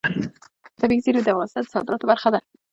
طبیعي زیرمې د افغانستان د صادراتو برخه ده.